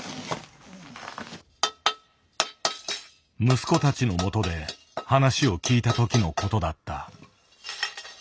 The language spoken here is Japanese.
息子たちのもとで話を聞いたときのことだった。